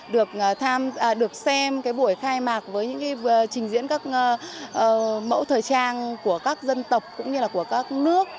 được xem cái buổi khai mạc với những cái trình diễn các mẫu thời trang của các dân tộc cũng như là của các nước